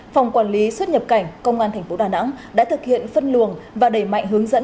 phòng quản lý xuất nhập cảnh công an tp đà nẵng đã thực hiện phân luồng và đẩy mạnh hướng dẫn